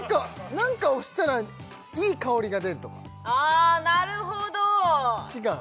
何か押したらいい香りが出るとかあなるほど違う？